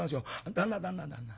旦那旦那旦那。